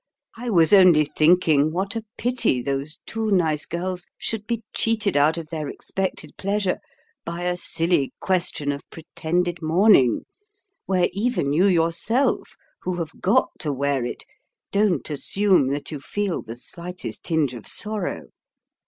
I was only thinking what a pity those two nice girls should be cheated out of their expected pleasure by a silly question of pretended mourning, where even you yourself, who have got to wear it, don't assume that you feel the slightest tinge of sorrow.